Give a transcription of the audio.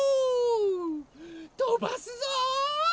とばすぞ！